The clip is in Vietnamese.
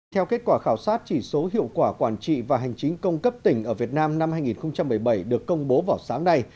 theo kết quả khảo sát chỉ số hiệu quả quản trị và hành chính công cấp tỉnh ở việt nam năm hai nghìn một mươi bảy được công bố vào sáng nay